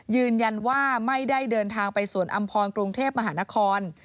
ยืนยันว่าไม่ได้เดินทางไปสวนอำพรกรุงเทพมหานคร